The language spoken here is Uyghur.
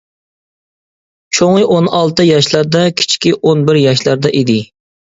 چوڭى ئون ئالتە ياشلاردا، كىچىكى ئون بىر ياشلاردا ئىدى.